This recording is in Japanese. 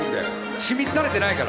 しみったれてないから。